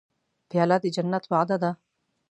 پیاله د جنت وعده ده.